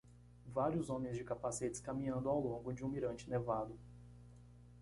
Vários homens de capacetes caminhando ao longo de um mirante nevado.